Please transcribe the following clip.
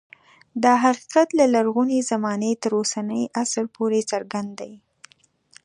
دا حقیقت له لرغونې زمانې تر اوسني عصر پورې څرګند دی